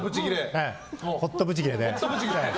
ホットブチギレで。